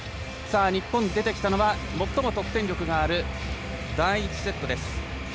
日本、出てきたのは最も得点力のある第１セットです。